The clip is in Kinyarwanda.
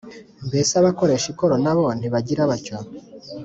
Mbese abakoresha ikoro na bo ntibagira batyo?